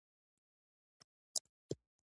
بیا نو زموږ هم پښه په کور نه لګېده.